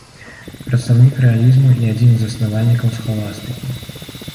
Прадстаўнік рэалізму і адзін з заснавальнікаў схаластыкі.